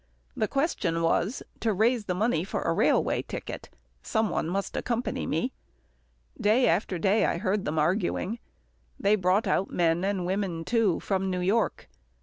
The question was, to raise the money for a railway ticket. Some one must accompany me. Day after day I heard them arguing. They brought out men, and women too, from New York.